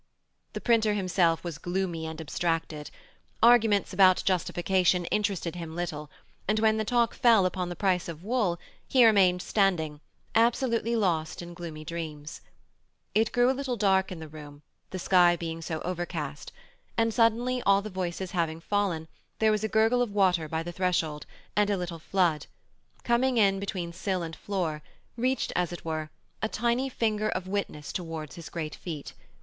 The printer himself was gloomy and abstracted; arguments about Justification interested him little, and when the talk fell upon the price of wool, he remained standing, absolutely lost in gloomy dreams. It grew a little dark in the room, the sky being so overcast, and suddenly, all the voices having fallen, there was a gurgle of water by the threshold, and a little flood, coming in between sill and floor, reached as it were, a tiny finger of witness towards his great feet.